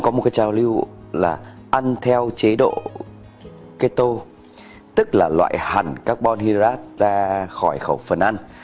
cơm là ăn theo chế độ keto tức là loại hẳn carbon hydrate ra khỏi khẩu phần ăn